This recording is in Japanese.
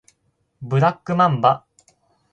ブラックマンバ